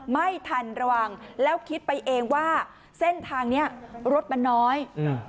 ไม่ทันระวังแล้วคิดไปเองว่าเส้นทางเนี้ยรถมันน้อยอืม